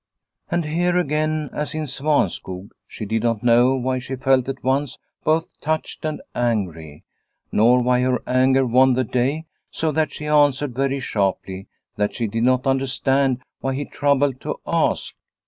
And here again, as in Svanskog, she did not know why she felt at once both touched and angry, nor why her anger won the day so that she answered very sharply that she did not understand why he troubled to ask.